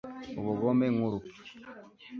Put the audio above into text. Ubugome nkurupfu